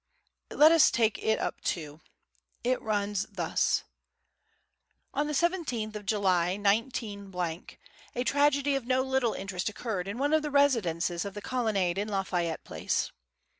Let us take it up too. It runs thus: On the 17th of July, 19 , a tragedy of no little interest occurred in one of the residences of the Colonnade in Lafayette Place.